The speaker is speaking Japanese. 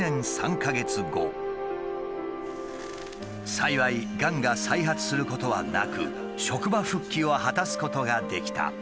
幸いがんが再発することはなく職場復帰を果たすことができた。